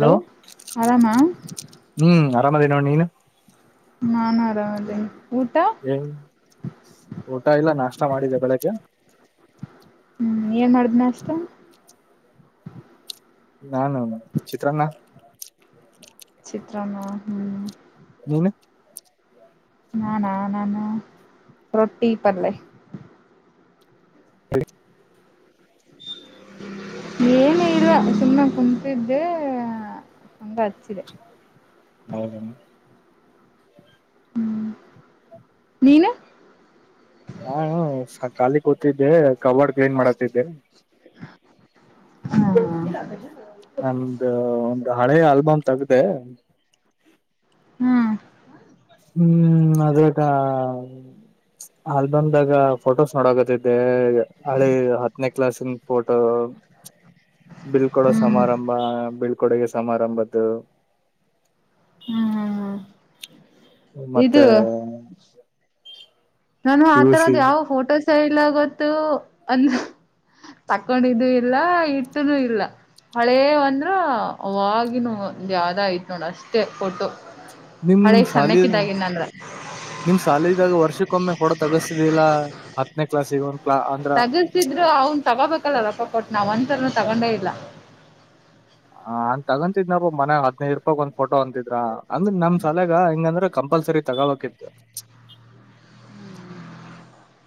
hello ಆರಾಮಾ ಆರಾಮದಿನಿ ನೋಡ್ ನೀನು ನಾನು ಆರಾಮದಿನಿ ಏನು ಊಟ ಇಲ್ಲ ನಾಷ್ಟ ಮಾಡಿದೆ ಬೆಳಗ್ಗೆ ಹ್ಮ್ ಏನ್ ಮಾಡ್ದಿ ನಾಷ್ಟ ನಾನು ಚಿತ್ರನ್ನ ಚಿತ್ರನ್ನ ಹ್ಮ್ [unintelligible] ನಾನಾ ನಾನು ರೊಟ್ಟಿ ಪಲ್ಲೆ ಹೇಳಿ ಏನು ಇಲ್ಲ ಸುಮ್ಮನೆ ಕುಂತಿದ್ದೆ ಹಂಗ ಹಚ್ಚಿದ್ದೆ ಹೌದೇನು ಹ್ಮ್ ನೀನು ನಾನು ಖಾಲಿ ಕೂತಿದ್ದೆ ಕಬೊಡ್ ಕ್ಲಿನ್ ಮಾಡತಿದ್ದೆ ಹ್ಮ್ ಹ್ಮ್ ನಮ್ದ ಒಂದು ಹಳೆ ಆಲ್ಬಮ್ ತಗ್ದೆ ಹ್ಮ್ ಹ್ಮ್ ಅದೇ ಅಕ್ಕಾ ಆಲ್ಬಮದಾಗ ಫೋಟೋಸ್ ನೋಡಕತಿದ್ದೆ ಹಳೆ ಹತ್ತನೇ ಕ್ಲಾಸಿನ್ ಫೋಟೋ ಬೀಳ್ಕಡೋ ಹ್ಮ್ ಸಮಾರಂಭ ಬೀಳ್ಕೊಡಿಗೆ ಸಮಾರಂಭದ್ದು ಹ್ಮ್ ಹ್ಮ್ ಹ್ಮ್ ಮತ್ತೆ ನಾನು ಪಿ ಯು ಸಿ ಆತರದ ಯಾವ ಫೋಟೋಸ್ ಇಲ್ಲ ಗೊತ್ತು ಅಂತ ತಕೊಂಡಿದು ಇಲ್ಲ ಇಟ್ಟನೂ ಇಲ್ಲ ಹಳೇ ಅಂದ್ರ ಅವಾಗಿನಾವು ಒಂದು ಯಾದ ಆಯ್ತ್ ನೋಡ್ ಅಷ್ಟೇ ಫೋಟೋ ನಿಮ್ ಹಳೇದ್ ಸಾಲಿ ಸಣ್ಣಕ್ಕಿದ್ದಾಗಿ ಅಂದ್ರ ನಿಮ್ ಸಾಲಿದಾಗ ವರ್ಷಕ್ಕೊಮ್ಮೆ ಫೋಟೋ ತಗಸ್ತಿದಿಲ್ಲ ಹತ್ತನೇ ಕ್ಲಾಸಿಗೆ ಒಂದ್ ಕ್ಲಾ ಅಂದ್ರ ತಗಿಸಿದ್ರು ಅವನ್ ತಗೋಬೇಕಲ್ಲಲ್ಲ ರೊಕ್ಕ ಕೊಟ್ಟು ಒಂದುಸಲನು ತಕೊಂಡೆ ಇಲ್ಲ ತಾಕದಿನಪ್ಪ ಮನ್ಯಾಗ ಹದಿನೈದು ರೂಪಯಿಗೆ ಒಂದು ಫೋಟೋ ಅಂತಿದ್ರ ಅಂದ್ರ ನಮ್ ಸಲಾಗ ಹೆಂಗಂದ್ರ ಕಂಪಲ್ಸರಿ ತಗೋಕಿತ್ತು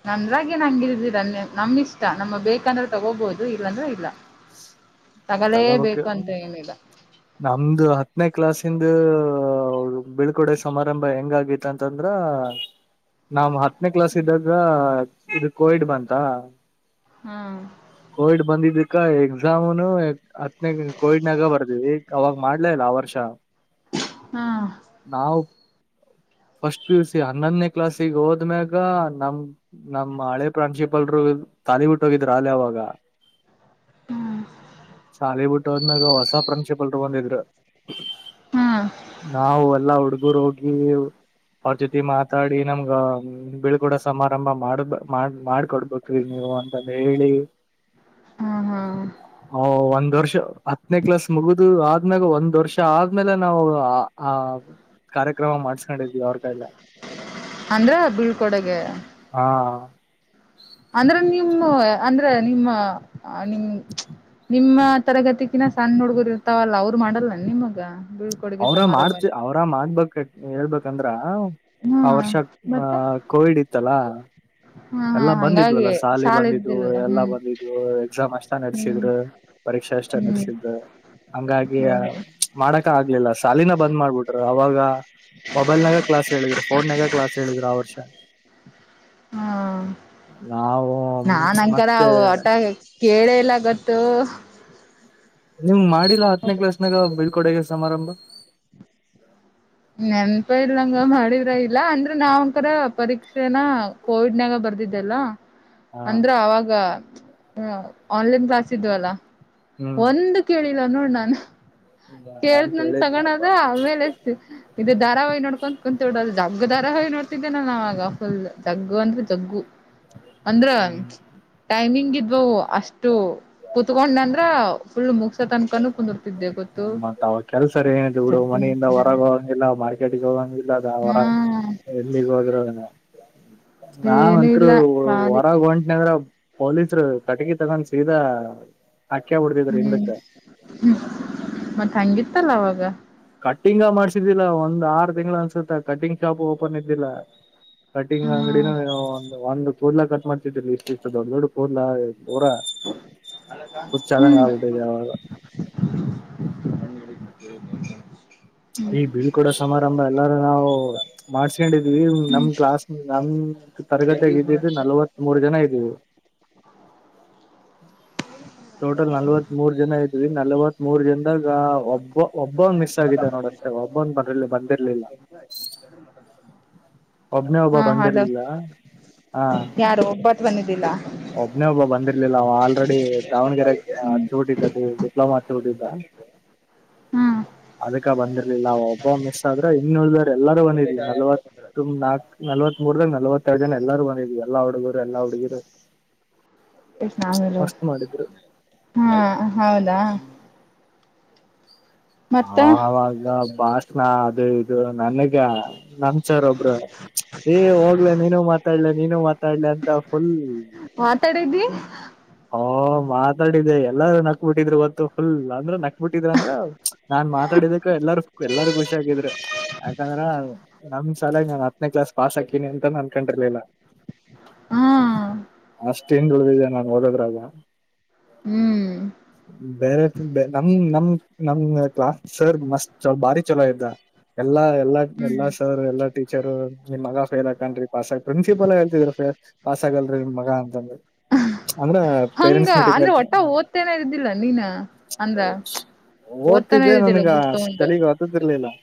ನಂದ್ರಾಗೆ ನಂಗ ಇರ್ದಿರ ನಮ್ ಇಷ್ಟ ನಮ್ಮ ಬೇಕಂದ್ರೆ ತಗೋಬಹುದು ಇಲ್ಲಾಂದ್ರೂ ಇಲ್ಲ ತಗೋಬೇಕ ತಗಲೇಬೇಕು ಅಂತ ಏನಿಲ್ಲ ನಮ್ದು ಹತ್ತನೇ ಕ್ಲಾಸ್ಯಿಂದು ಹೌದು ಬಿಳ್ಕೊಡೆ ಸಮಾರಂಭ ಹೆಂಗಗಾಗಿತ್ತು ಅಂತಂದ್ರ ನಾವ್ ಹ ಹತ್ತನೇ ಕ್ಲಾಸ್ ಇದ್ದಾಗ ಇದು ಕೋವಿಡ್ ಬಂತ ಹ್ಮ್ ಕೋವಿಡ್ ಬಂದಿದಕ್ಕ ಎಕ್ಸಾಮನು ಹತ್ತನೇ ಕೋವಿಡ್ನಾಗ ಬರ್ದವಿ ಅವಾಗ ಮಾಡ್ಲೇ ಇಲ್ಲ ಆ ವರ್ಷ ಹ್ಮ ನಾವು [inaudible] ಫಸ್ಟ್ ಪು ಸಿ ಹನ್ನೊಂದನೇ ಕ್ಲಾಸ್ಗೆ ಹೋದ್ಮ್ಯಾಗ ನಮ ನಮ್ ಹಳೆ ಪ್ರಾನ್ಸಿಪಲ್ರು ತಾನಿ ಬಿಟ್ಟು ಹೋಗಿದ್ರ ಅಲೆ ಅವಾಗ ಹ್ಮ್ ಶಾಲಿ ಬಿಟ್ಟುದ್ನಾಗ ಹೊಸ ಪ್ರಿನ್ಸಿಪಲ್ರು ಬಂದಿದ್ರೂ ಹ್ಮ್ ನಾವವು ಎಲ್ಲ ಹುಡುಗುರು ಹೋಗಿ ಅವ್ರ ಜೊತೆ ಮಾತಾಡಿ ನಮ್ಗಳ ಕೂಡ ಸಮಾರಂಭ ಮಾಡಬ ಮಾಡ ಮಾಡಕೊಡ್ಬೇಕಿ ನೀವು ಅಂತ ಹೇಳಿ ಹ್ಮ್ ಹ್ಮ್ ಹ ಒಂದು ವರ್ಷ ಹತ್ತನೇ ಕ್ಲಾಸ್ ಮುಗುದು ಆದ್ಮ್ಯಾಗ ಒಂದ್ ವರ್ಷ ಆದ್ಮೇಲೆ ನಾವು ಆ ಆ ಕಾರ್ಯಕ್ರಮ ಮಾಡ್ಸ್ಕೊಂಡಿದೀವಿ ಅವ್ರ ಕೈಲ್ಲ ಅಂದ್ರ ಬೀಳ್ಕೊಡಗೆ ಹಾ ಅಂದ್ರೆ ನಿಮ್ಮ ಅಂದ್ರೆ ನಿಮ್ಮ ನಿಮ ನಿಮ್ಮ ತರಗತಿಕಿನ ಸಣ್ಣ ಹುಡ್ಗುರು ಇರ್ತಾವಲ್ಲ ಅವ್ರು ಮಾಡಲ್ಲ ನಿಮ್ಗ ಅವ್ರ ಮಾಡ್ತಿ ಅವ್ರ ಮಾಡ್ಬೇಕ ಹೇಳ್ಬೇಕಂದ್ರ ಹಾ ಆ ವರ್ಷ ಆಹ ಕೋವಿಡ್ ಇತ್ತಲ್ಲ ಹ್ಮ ಎಲ್ಲಾ ಹ್ಮ ಬಂದಿದ್ವಲ್ಲ ಸಾಲಿ ಬಂದಿದ್ದು ಎಲ್ಲಾ ಬಂದಿದ್ ಎಕ್ಸಾಮ್ ಅಷ್ಟ ಹ್ಮ್ ನಡೆಸಿದ್ರು ಪರೀಕ್ಷೆ ಎಷ್ಟ ನ ಹ್ಮ್ ಹಂಗಾಗಿ ಹ್ಮ್ ಮಾಡಕ ಆಗ್ಲಿಲ್ಲ ಸಾಲಿನ ಬಂದ್ ಮಾಡ್ಬಿಟರು ಅವಾಗ ಮೊಬೈಲ್ನಾಗ ಕ್ಲಾಸ್ ಹೇಳಿದ್ರು ಫೋನ್ ನಾಗ ಕ್ಲಾಸ್ ಹೇಳಿದ್ರು ಆ ವರ್ಷ ಹ್ಮ ನಾವು ನಾನ್ ಮತ್ತೆ ಅಕಾರರವು ಆಟ ಎಲ್ಲಾ ಇಲ್ಲ ಗತ್ತು ನಿಮ್ ಮಾಡಿಲ್ಲಾ ಹತ್ತನೇ ಕ್ಲಾಸ್ನಾಗ ಬೀಳ್ಕೊಡೆಗ ಸಮಾರಂಭ ನೆನ್ಪ ಇಂಗ ಮಾಡಿದ್ರ ಇಲ್ಲ ಅಂದ್ರೆ ನಾವ್ಕರ ಪರೀಕ್ಷೆನ ಕೋವಿಡ್ನಾಗ ಬರ್ದಿದ್ದಲ್ಲ ಹ ಅಂದ್ರ ಅವಾಗ ಆನ್ಲೈನ್ ಕ್ಲಾಸ್ ಇದ್ವಲ್ಲ ಒಂದು ಕೇಳಿಲ್ಲ ನೋಡ್ ನನ್ ಹ್ಮ್ ನಾನ್ ಕೇಳ್ದ್ ನಂದ ತಗಳದ ಕೇಳಿದ್ನಪ್ಪಾ ಆಮೇಲೆ ಎ ಇದು ಧಾರವಹಿ ನೋಡ್ಕೊ ಕುಂತಡದು ಜಬ್ಗ ಧಾರಾವಹಿ ನೋಡ್ ದ್ದೇ ನಾಗ ಫ ತಗ್ಗು ಅಂದ್ರೆ ತಗ್ಗು ಅಂದ್ರ ಹ್ಮ್ ಟೈಮಿಂಗ್ ಇದ ಇ ಅಷ್ಟು ಕುತ್ಕೊಂಡ ಅಂದ್ರ ಫುಲ್ಮುಗಸ ತನ್ಕನ ಕು ಮತ್ತತ್ ಅವ ಕೆಲ್ಸರ ಏನ ಹಡು ಜಗ್ಗು ಮನೆಯಿಂದ ನೋಡ್ತಿದ್ದೆ ಹೊರಗೆ ಹೋಗಂಗಿಲ್ಲ ಮಾರ್ಕೆಟ್ಗೆ ಹೋಗಂಗಿಲ್ಲದ ಹೊರ ನಾನು ಹಾ ಎಲ್ಲಿಗ ಹೋಗಿರದ ಏನು ನಾಂತ್ರು ಇಲ್ಲ ಖಾಲಿ ಹೊರಗ ಹೊಂಟನದ್ರ ಪೊಲೀಸರು ಕಟಕಿ ತಗೊಂಡ ಈದ ಹ್ಮ್ ಹ್ಮ್ ಮತ್ತೆ ಹಂಗಿತ್ತಲ್ಲ ಅವಾಗ ಕಟ್ಟಿಂಗ ಮಾಡ್ಸಿದ್ದಿಲ್ಲ ಒಂದ್ ಆರು ತಿಂಗಗಳ ಅನ್ಸುತ್ತ ಕಟ್ಟಿಂಗ್ ಶಾಪ್ ಓಪನ್ ಇದ್ದಿಲ್ಲ ಕಟಿಂಗ್ ಅಂಗಡಿನ ಒ ಒಂದು ಕೂರ್ಲಾ ಕಟ್ ಮಾಡ್ತಿದೀಲಿ ಇಷ್ಟು ಇಷ್ಟ ದೊಡ್ಡ ದೊಡ್ಡ ಕೂರ್ಲಾ ಪೂರ ಚಲಂಗ ಹ್ಮ್ ಆಬಟದೆಾಗ [inaudible] ಈ ಬೀಳ್ಕೂಡ ಸಮಾರಂಭ ಎಲ್ಲಾರು ನಾವು ಮಾಡ್ಸ್ಕೊಂಡಿದೀವಿ ನಮ ಕ್ಲಾಸ್ ನಮ ತರಗತಿಗ ಇದ್ದಿದ್ದು ನಲ್ವತ್ತ್ ಮೂರ್ ಜನ ಇದೀವಿ [inaudible] ಟೋಟಲ್ ನಲ್ವತ್ತ್ ಮೂರ್ ಜನ ಇದ್ವಿ ನಲ್ವತ್ ಮೂರ್ ಜನದಾಗ ಒಬ್ಬ ಒಬ್ಬ್ ಮಿಸ್ ಆಗಿದ್ದ ನೋಡ ಅಷ್ಟೆ ಒಬ್ಬಂದ ಬ ಬಂದ ಸ ಮ ಒಬ್ನೇ ಒಬ್ಬ ಬಂದಿರ್ಲಿಲ್ಲ ಹ ಯಾರು [unintelligible] ಒಬ್ಬತ್ ಬಂದಿದ್ದಿಲ್ಲ ಒಬ್ನೇ ಒಬ್ಬ ಬಂದಿರ್ಲಿಲ್ಲ ಅವ ಆಲ್ರೆಡಿ ದಾವಣಗೆರೆ ಚೂಟ ಇದ್ದದ್ದ [unintelligible] [inaudible] ಹ್ಮ್ ಅದಕ್ಕ ಬಂದಿರ್ಲಿಲ್ಲ ಒಬ್ಬ ಮಿಸ್ ಆದ್ರ ಇನ್ನು ಉಳಿದ ಎಲ್ಲಾರೂ ಬಂದಿದ್ವಿ ನಲ್ವತ್ತು ನಾಕು [unintelligible] ನಲ್ವತ್ ಮೂರ್ ದನ ನಲವತ್ತೆರಡು ಜನ ಎಲ್ಲಾರೂ ಬಂದಿದ್ ಎಲ್ಲ ಹುಡುಗರು ಎಲ್ಲ ಹುಡುಗಿರು [inaudible] ಎಷ್ಟು ನಾನೂರು ಮಸ್ತ್ ಮಾಡಿದ್ರು ಹಾ ಹೌದಾ ಮತ್ತ ಆ ಅವವಾಗ ಭಾಷಣ ಅದು ಇದು ನನ್ಗ [unintelligible] ನಮ್ ಸರ್ ಒಬ್ಬ್ರ ಏ ಹೋಗ್ಲ ನೀನು ಮಾತಾಡ್ಲ ನೀನುೂ ಮಾತಾಡ್ಲ ಅಂತ ಫುಲ್ ಮಾತಾಡಿದ್ದಿ ಹ ಮಾತಾಡಿದೆೆ ಎಲ್ಲಾರು ನಕ್ ಬಿಿಟ್ಟಿದ್ರು ಗೊತ್ತು ಫುಲ್ ಅಂದ್ರ ನಕ್ [unintelligible] ಬಿಟ್ಟಿದ್ರ ಅಂದ್ರ ನಾನ್ ಮಾತಾಡಿದಕ್ಕ ಎಲ್ಲಾರ ಎಲ್ಲಾರ ಖುಷಿಾಗಿದ್ರರು ಯಾಕಂದ್ರ [unintelligible] [unintelligible] [unintelligible] ಕ್ಲಾಸ್ ಪಾಸ್ ಹಾಕಿನಿ ಅಂತಾನ ಅನ್ಕೊಂಡಿರ್ಲಿಲ್ಲ ಹಾ ಅಷ್ಟೇ [unintelligible] ಹಿಂದುಳ್ದಿದ್ದೆ ನಾನು ಓದೋದ್ರಾಗ ಹ್ಮ್ ಬೇರೆ ನಮ್ ನಮ್ ನಮ್ದ ಕ್ಲಾಸ್ ಸರ್ ಮಸ್ತ್ ಬಾರಿ ಚಲೋ ಇದ್ದ ಎಲ್ಲಾ ಎಲ್ಲಾ ಹ್ಮ್ ಎಲ್ಲಾ ಸರ್ ಎಲ್ಲಾ ಟೀಚರು ನಿಮ್ ಮಗ ಫೈಲ್ ಹಾಕ್ತಾನ್ರೀ ಪಾಸ್ ಆಕ್ [unintelligible] ಪ್ರಿನ್ಸಿಪಲ್ಲು ಹೇಳ್ತಿದ್ರು ಸರ್ ನಿಮ್ಮಗ ಪಾಸ್ ಆಗಲ್ಲ ಅಂತಂದು ಅಂದ್ರ ಹಂಗ ಪೇರೆಂಟ್ಸ್ ಮೀಟಿಂಗ್ ಅಂದ್ರೆ ಆರ್ ಒಟ್ಟ ಓದ್ತೇನೆ ಇದ್ದಿಲ್ಲ ನೀನ ಅಂದ್ರ [unintelligible] ಓದ್ತಾನೆ ಓದ್ತಿದ್ದೆ ಇದ್ದಿಲ್ಲ ನನ್ಗ ಬುಕ್ ತಗೊಂಡು ಸ್ಳೀಗ್ ಓದದಿರ್ಲಿಲ್ಲ [unintelligible]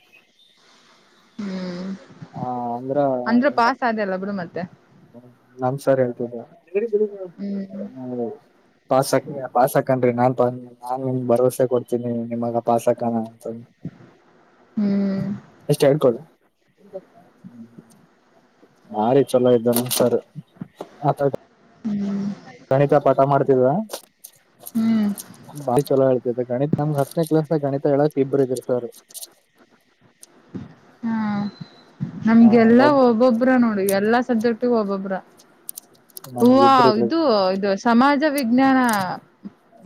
ಹ್ಮ್ ಹ ಅಂದ್ರೆ ಅಂದ್ರ [unintelligible] ಪಾಸ್ ಆದಲ್ಲ ಬಿಡು ಮತ್ತೆ ನಮ್ ಸರ್ ಹೇಳ್ತದ ಹೇಳಿದ್ದ [unintelligible] ಹ್ಮ್ ಪಾಸ್ ಹಾಕ ಪಾಸ್ ಹಾಕನ್ರೀ ನಾನ್ ನಾನ್ ನಿಮ್ ಭರವಸೆ ಕೊಡ್ತೀನಿ ನಿಮ್ಮಗ ಪಾಸ್ ಹಾಕ್ ಹಾ [inaudible] ಹ್ಮ್ ಎಷ್ಟ ಹೇಳ್ಕೊಳಿ ಬಾರಿ ಚಲೋ ಇದ್ದಾನ ಸರ್ [unintelligible] ಹ್ಮ್ ಗಣಿತ ಪಾಠ ಮಾಡ್ತಿದವಾ ಹ್ಮ್ ಚಲೋ ಹೇಳ್ತತೆ ಗಣಿತತ್ ನಮ್ಗ್ ಹತ್ತನೇ ಕ್ಲಾಸ್ ನ ಗಣಿತ ಹೇಳಕ್ ಇಬ್ಬರು ಇದ್ರ ಸರ್ ಹಾ ಹ ನಮ್ಗೆಲ್ಲಾ ಒಬ್ ಒಬ್ಬೊಬ್ಬ್ರ ನೋಡಿ ಎಲ್ಲಾ ಸಬ್ಜೆಟ್ ಗೋ ಒಬ್ಬೊಬ್ರ ಹೂವ ನಮ್ಗ್ ಇಬ್ರು ಇದ್ರಿ ಇದು ಇದು ಸಮಾಜ ವಿಜ್ಞಾನ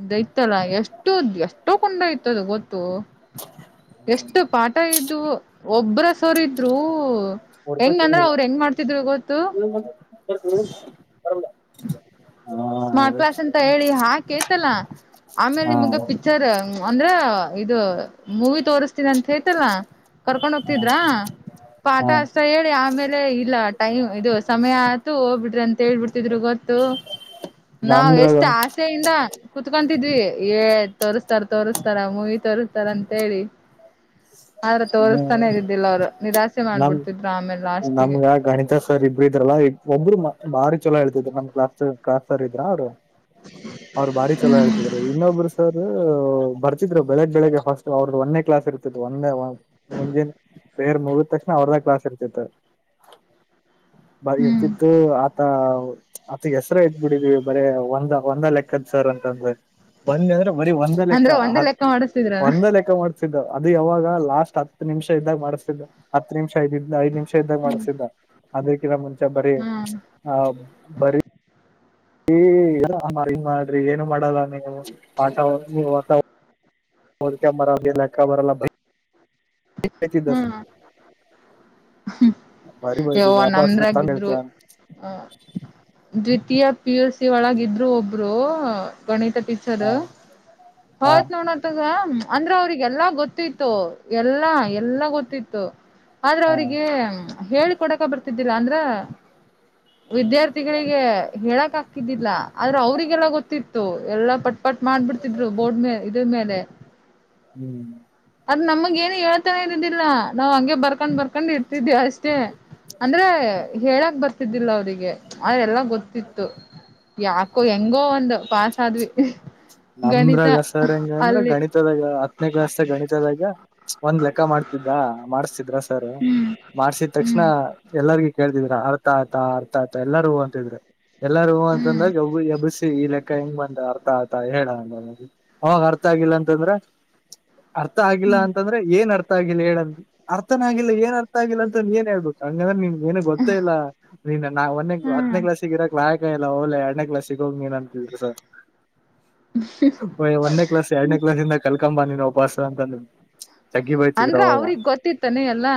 ಇದಐತ್ತಲ್ಲ ಎಷ್ಟು ಎಷ್ಟೋ ಕಂಡ ಇಯತದು ಗೊ [unintelligible] [unintelligible] ಎಷ್ಟು ಪಾಠ ಇದ್ದು ಒಬ್ಬ್ರ ಸರ ಇದ್ರು ಹೆಂಗ್ಂದ್ರ ಅವ್ರು ಹೆಂಗ್ ಮಾಡ್ತಿದ್ರು ಗೊತ್ತು [unintelligible] ಹಾ ಸ್ಮಾರ್ಟ್ ಕ್ಲಾಸ್ ಅಂತ ಹೇಳಿ ಹಾಗಾಕೇತಲ್ಲ ಆಮೇಲ್ ಹಾ ನಿಮಗ ಪಿಕ್ಚರ್ ಅಂದ್ರ ಇದು ಮೂವಿ ತೋರ್ಸ್ತನಿ ಅಂತ ಹೇತಲ್ಲ ಕರ್ಕೊಂಡ್ ಹೋಗ್ತಿದ್ರಾ [unintelligible] ಪಠ ಹಾ ಅಷ್ಟ ಹೇಳಿ ಆಮೇಲೆ ಇಲ್ಲ ಟೈಮ್ ಇದು ಸಮಯ ಆಯತು ಹೋಗ್ಬಿಡ್ರಿ ಅಂತ ಹೇಳ್ಬಿಡ [unintelligible] [unintelligible] ಗೊತ್ತು ನಾವು ನಮ್ದ್ರಾಗ ಎಷ್ಟು ಆಸೆಯಿಂದ ಕುೂತ್ಕ [unintelligible] ದ್ವಿ ಏ ತೋರಿಸ್ತಾರ ತೋರ್ಸ್ತಾರ ಮೂವಿ ತೋರಿಸಸ್ತಾರ ಅಂತ ಹೇಳಿ ಆದ್ರ ಹ್ಮ್ ತೋಸ್ತಾನೇ ಇದಿದ್ದಿಲ್ಲ ಅವ್ರು ನಿರಾಸೆ ನಮ್ ಮಾಡ್ಬಿಡ್ತಿದ್ರ ಆಮೇಲೆ ಲಾಸ್ಟಿಗೆ ನಮ್ಗ ಗಣಿತ [unintelligible] ಒಬ್ರು ಭಾರಿ ಚಲ ಹೇಳ್ತಿದ್ರು ನಮ್ ಕ್ಲಾಸ್ ಕ್ಲಾಸ್ ಸರ್ ಇದ್ರ ಅವ್ರು [unintelligible] ಅವ್ರ ಭಾರಿ ಚಲೋ ಹೇಳ್ತಿದ್ರಿ ಇನ್ನೊಬ್ರು ಸರ್ ಬರ್ತಿದ್ರು ಬೆಳಗ್ ಬೆಳಗ್ ಹಾಸ್ಟಲ್ ಅವ್ರದ್ದ ಒಂದೇ ಕ್ಲಾಸ್ ಇರ್ತತ್ತು ಒಂದೇ [unintelligible] ಮುಂಜೆನೆ ಪ್ರೇರ್ ಮುಗಿದ ತಕ್ಷಣ ಅವರ್ದ ಕ್ಲಾಸ್ ಇರ್ತತೆ ಬರಿ ಹ್ಮ್ ಇರ್ತಿತ್ತು ಆತ ಮತ್ ಹೆಸರು ಇಟ್ಬ ಬಿಡಿದೀವಿ ಬರ ಒಂದ್ ಒಂದ ಲೆಕ್ಕದ ಸರ್ ಅಂತಂದ್ರೆ ಬಂದಿ ಅಂದ್ರೆ ಬರೀ ಒಂದ ಲೆಕ್ಕ ಅಂದ್ರೆ ಒಂದೇ ಹತ್ ಲೆಕ್ಕ ಮಾಡಿಸ್ತಿದ್ರನ ಒಂದ ಲೆಕ್ಕ ಮಾಡ್ತಿದ್ದ ಅದು ಯಾವಾಗ ಲಾಸ್ಟ್ ಹತ್ ನಿಮಿಷ ಇದ್ದಾಗ ಮಾಡ್ಸಿದ್ದ ಹತ್ತು ನಿಮಿಷ ಐದ ಐದ್ ನಿಮಿಷ ಇದ್ದಾಗ ಮಾಡ್ಸಿದ್ದ ಅದಕಿ ನ ಬರಿ ಹ್ಮ್ ಹ ಬರಿ ಏ ಮಾಡ್ರಿ ಏನು ಮಾಡಲ್ಲ ನೀವು ಆಠ [unintelligible] ಪಚಿ ದಸ್ ಹ್ಮ್ [unintelligible] ಯವ್ವ ತಂದ ಹೇಳ್ತ ನಮದ್ರಾಗಿದ್ರು ಹ ದ್ವಿತೀಯ ಪಿ ಯು ಸಿ ಒಳಗ ಇದ್ರು ಒಬ್ರು ಗಣಿತ ಪಿಕ್ಚರ್ ಹಾ ಹಾ ಹೌತ್ ನೋಡತದ ಅಂದ್ರ ಅವ್ರಿಗೆಲ್ಲಾ ಗೊತ್ತಿತ್ತು ಎಲ್ಲಾ ಎಲ್ಲ ಗೊತ್ತಿತ್ತು ಆದ್ರೆ ಅವರಿಗೆ ಹೇಳಿಕೊಡಕ ಬರ್ತಿದ್ದಿಲ್ಲ ಅಂದ್ರ ಹ್ಮ್ ವಿದ್ಯಾರ್ಥಿಗಳಿಗೆ ಹೇಳಕ್ ಹಾಕಿದ್ದಿಲ್ಲ ಆದ್ರೆ ಅವ್ರಿಗೆಲ್ಲ ಗೊತ್ತಿತ್ತು ಎಲ್ಲಾ ಪಟ್ ಪಟ್ ಮಾಡ್ಬಿಡ್ತಿದ್ರು ಬೋರ್ಡ್ ಮೇ ಇದ್ರ ಮೇಲೆ [inaudible] ಹ್ಮ್ ಅದು ನಮಗೇಏನು ಹೇಳ್ತಾನೆ ಇರೋದಿಲ್ಲ ನಾವು ಹಂಗೆ ಬರ್ಕೊಂಡು ಬರ್ಕೊಂಡು ಇರ್ತಿದ್ದೆವಿ ಅಷ್ಟೇ ಅಂದ್ರೆ ಹೇಳಕ್ ಬರ್ತಿದ್ದಿಲ್ಲ ಅವರಿಗೆ ಅದೆ ಎಲ್ಲ ಗೊತ್ತಿತ್ತು ಯಾಕೋ ಹೆಂಗೋ ಒಂದ್ ಪಸ್ ಆದ್ವಿ ಗಣಿತ ನಮ್ರಗಸರಂಗ ಅಂದ್ರ ಅಲ್ಲಿ ಗಣಿತದಾಗ ಹತ್ತನೇ ಕ್ಲಾಸ್ ಗಣಿತದಾಗ ಒಂದ್ ಲೆಕ್ಕ ಮಾಡ್ತಿದ್ದ ಮಾಡ್ಸಸ್ತಿದ್ರ ಸರ್ ಹ್ಮ್ ಮಾಡ್ಸಿದ ತಕ್ಷಣ ಹ್ಮ್ ಎಲ್ಲರ್ಗ ಕೇಳದ್ರ ಅರ್ಥ ಆಯ್ತಾ ಅರ್ಥ ಆಯ್ತಾ ಎಲ್ಲಾರ ಹೂ ಅಂತಿದ್ರಿ ಎಲ್ಲಾರ ಹೂ ಹ್ಮ್ ಅಂತಂದ್ರಾಗ ಈ ಲೆಕ್ಕ ಹೆಂಗ್ ಬಂದ ಅರ್ಥ ಆತಾ ಹೇಳ ಅವಾಗ ಅರ್ಥ ಆಗಿಲ್ಲ ಅಂತಂದ್ರೆ ಅರ್ಥ ಆಗಿಲ್ಲ ಹ್ಮ್ ಅಂತಂದ್ರೆ ಏನ್ ಅರ್ಥ ಅ ಆಗಿಲ್ಲ ಹೇಳ ಅರ್ಥನ ಆಗಿಲ್ಲ ಏನ್ ಅರ್ಥ ಆಗಿಲ್ಲ ಅಂತ ನೀಏನ್ ಹೇಳ್ಬೇಕು ಹಂಗಂದ್ರೆ ನಿಮ ಏನು ಗೊತ್ತ ಇಲ್ಲ ನೀನ್ ನಾ ಒ ಹ್ಮ್ ಹತ್ತನೇ ಕ್ಲಾಸ್ಗ ಇರಕ್ ಇಲ್ಲಓಲ್ಲ ಎಡನೇ ಕ್ಲಾಸ್ ಸಿಗ ಹೋಗಿ ನೀನ್ ಅಂತಿದ ಸ ಹಯ್ ಒಂದನೇ ಕ್ಲಾಸ್ ಎರಡನೇ ಕ್ಲಾಸ್ಂದ ಕಲ್ಕಂಬ ನೀನು ಉಪಾಸ ಅಂತಂದ ತಗ್ಗಿ ಬಯ್ತಿದ್ರ ಅಂದ್ರ ಅವಾಗ ಅವ್ರಿಗ್ ಗೊತ್ತಿತ್ತಾನೆ ಎಲ್ಲಾ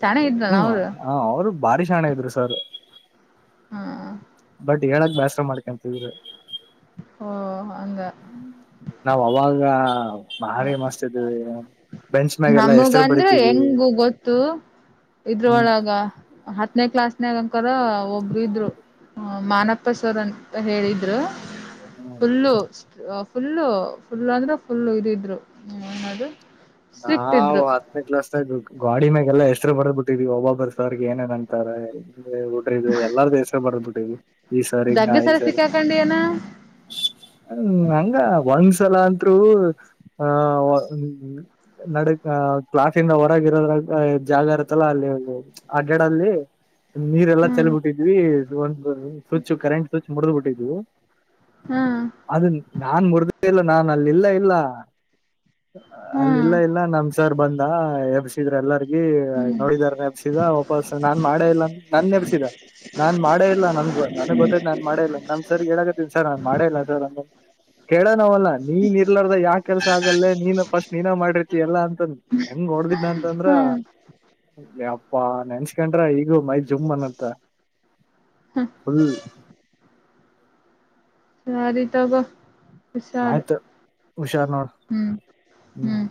ಸಣ್ಣ ಇದ್ರಲ್ಲ ಹ್ಮ್ ಅವರು ಹ ಅವರು ಬಾರಿ ಸಾಣೆ ಇದ್ರು ಸರ್ ಹ್ಮ ಬಟ್ ಹೇಳಕ್ ಬ್ಯಸರ ಮಾಡ್ಕೊಂತಿದ್ರ ಓ ಹಂಗ ನಾವ ಅವಾಗ ಹ ಬಾರಿ ಮಸ್ತ ಇದ್ವಿ ಬೆಂಚ್ ಮ್ಯಾಗೆಲ್ಲಾ ಎಷ್ಟರು ನಮಗಂದ್ರೆ ಬಡತವಿ ಇದ್ರ ಒಳಗ ಹತ್ತು ನೇ ಕ್ಲಾಸ್ನಗಕಾರರ ಒಬ್ರು ಇದ್ರು ಮಾನಪ್ಪ ಸವರ್ ಅಂತ ಹೇಳಿದ್ರು ಹ್ಮ್ ಫುಲ್ಲು ಫುಲ್ಲ ಫುಲ್ ಅಂದ್ರೆ ಫುಲ್ಲ ಇದಿದ್ರು ನದು ನಾ ಹತ್ತನೇ ಕ್ಲಾಸ್ತಾ ಇದ್ ಗಾಡಿ ಮ್ಯಾಗೆಲ್ಲ ಎಷ್ಟರು ಬರ್ದ್ ಬಿಟ್ಟಿದ್ವಿ ಒಬ್ಬೊಬ್ಬರ್ ಸಾರ್ಗೆ ಏನದ ಅಂತಾರೆ ಡ್ರಿದ್ರ ಎಲ್ಲಾರ ದ ಹೆಸ ಬರ್ದ್ ಬಿಟ್ಟವಿ ಈ ಸಾರಿ ಹಂಗ ಜಗ್ಗೆ ಈ ಸಲ ಸಾರಿ ಹಂಗ ಸಿಕ್ಕಾಕೊಂಡಿಯನ [unintelligible] ಹ್ಮ ಹಂಗ ಒಷ ಸಲ ಅಂತರು ಆ ನಡಕ್ ಕ್ಲಾಸಿಂದ ಹೊರಗ ಇರೋದ್ರ ಜಾಗ ಇರತ್ತಲ್ಲ ಅಲ್ಲಿ ಅಡ್ಗಡಲ್ಲಿ ನೀರೆಲ್ಲಾ ಹ್ಮ್ ಚಾಲ್ಬಿಟ್ಟಿದ್ವಿ ಒಂದು ಸ್ವಿಚ್ ಕರೆಂಟ್ ಸ್ವಿಚ್ ಮುರಿದುಬಿಟ್ಟಿದ್ವಿ ಹ್ಮ್ ಅದು ನಾನ್ ಮುರಿದ ಇಲ್ಲ ನಾನು ಅಲ್ಲಿಲ್ಲ ಇಲ್ಲ ಅಲ್ಲಿ ಹ್ಮ್ ಇಲ್ಲ ಇಲ್ಲ ನಮ್ ಸರ್ ಬಂದ ಎಬ್ಸಿದ್ರ ಎಲ್ಲಾರ್ಗ ಈ ಹ್ಮ್ ನೋಡಿದಾರ ನೆಪಸಿದ ವಾಪಸ್ಸ ನಾನ್ ಮಾಡೇ ಇಲ್ಲ ಅ ನ ನನ್ ಎಬ್ಬಿಸಿದ ನಾನ್ ಮಾಡೇ ಇಲ್ಲ ನನ್ಗ ನನ್ಗ್ ಗೊತ್ತೈ ನಾನ್ ಮಾಡೇ ಇಲ್ಲ ನಮ್ ಸರ್ ಹೇಳಕತ್ತೀನಿ ಸರ್ ನಾನ್ ಮಾಡೇ ಇಲ್ಲ ಸರ್ ಅಂತ ಕೇಳ ನವಲ್ಲ ನೀನ್ ಇರ್ಲಾರ್ದ ಯಾವ ಕೆಲಸ ಆಗಲ್ಲೇ ನೀನ್ ಫಸ್ಟ್ ನೀನ ಮಾಡರಿತಿ ಎಲ್ಲಾ ಅಂತಂದ ಹೆಂಗ ಕೊಡದಿನಿ ಅಂತಂದ್ರ ಹ್ಮ್ ಅಪ್ಪಾ ನೆನ್ಸ್ಕೊಂಡ್ರ ಈಗೂ ಮೈದ ಜುಮ್ ಅನ್ನುತ್ತ ಫುಲ್ ಸಾರಿ ತಗೋ ಹುಷಾರ್ ಆಯ್ತ ಹುಷಾರ್ ನೋಡ್ ಹ್ಮ್ ಹ್ಮ್